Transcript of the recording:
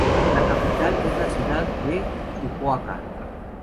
La capital es la ciudad de Fukuoka.